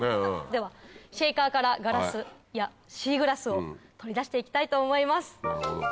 ではシェーカーからガラスいやシーグラスを取り出して行きたいと思います。